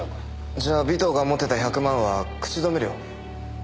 じゃあ尾藤が持ってた１００万は口止め料？